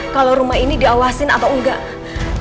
kalau rumah ini diawasin atau enggak